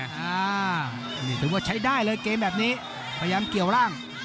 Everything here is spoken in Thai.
นี่ถือว่าใช้ได้เลยเกมแบบนี้พยายามเกี่ยวร่าง